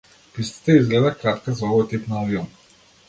Пистата изгледа кратка за овој тип на авион.